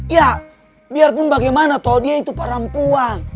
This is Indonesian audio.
ya biarpun bagaimana toh dia itu perempuan